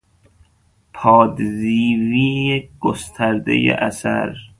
پادزیوی گسترده اثر